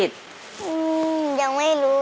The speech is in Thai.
ปีหน้าหนูต้อง๖ขวบให้ได้นะลูก